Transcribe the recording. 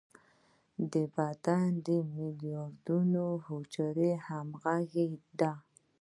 بدن د ملیاردونو حجرو همغږي ده.